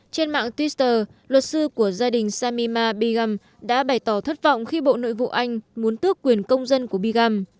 trên mạng twitter luật sư của gia đình samima big đã bày tỏ thất vọng khi bộ nội vụ anh muốn tước quyền công dân của biegum